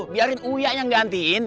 biarin uya yang gantiin